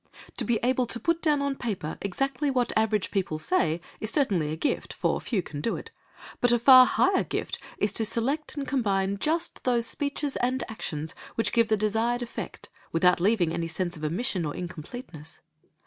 To be able to put down on paper exactly what average people say is certainly a gift, for few can do it, but a far higher gift is to select and combine just those speeches and actions which give the desired effect without leaving any sense of omission or incompleteness.